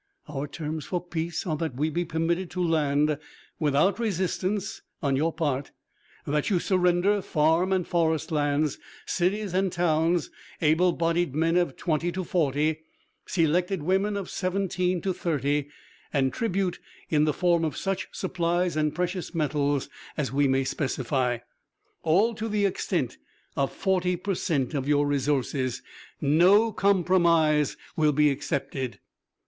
Our terms for peace are that we be permitted to land without resistance on your part; that you surrender farm and forest lands, cities and towns, able bodied men of twenty to forty, selected women of seventeen to thirty, and tribute in the form of such supplies and precious metals as we may specify, all to the extent of forty per cent of your resources. No compromise will be accepted."